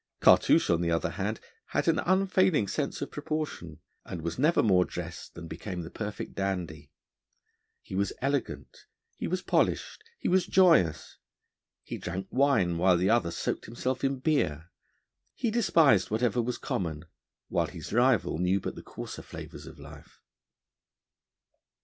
Cartouche, on the other hand, had an unfailing sense of proportion, and was never more dressed than became the perfect dandy. He was elegant, he was polished, he was joyous. He drank wine, while the other soaked himself in beer; he despised whatever was common, while his rival knew but the coarser flavours of life.